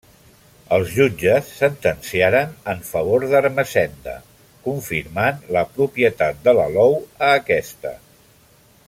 Els jutges sentenciaren en favor d'Ermessenda, confirmant la propietat de l'alou a aquesta.